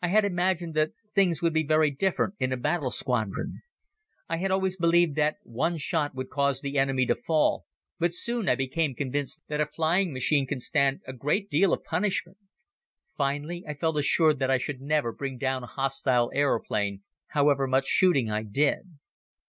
I had imagined that things would be very different in a battle squadron. I had always believed that one shot would cause the enemy to fall, but soon I became convinced that a flying machine can stand a great deal of punishment. Finally I felt assured that I should never bring down a hostile aeroplane, however much shooting I did.